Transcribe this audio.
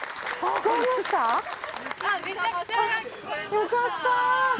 よかった！